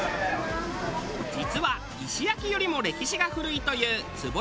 実は石焼きよりも歴史が古いというつぼやき芋。